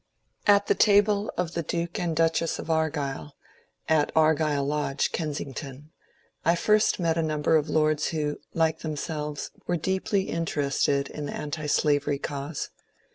At the table of the Duke and Duchess of Argyll, at Ar gyll Lodge, Kensington, I first met a number of lords who, like themselves, were deeply interested in the antislavery cause.